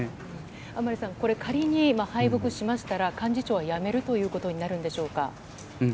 甘利さん、これ、仮に敗北しましたら、幹事長は辞めるということになるんでしょうか。